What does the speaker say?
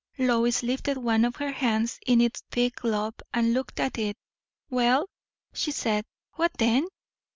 Lois lifted one of her hands in its thick glove, and looked at it. "Well," she said, "what then?